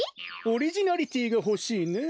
オリジナリティーがほしいね。